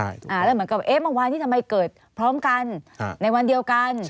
แล้วเหมือนกับเอ๊ะเมื่อวานนี้ทำไมเกิดพร้อมกันในวันเดียวกัน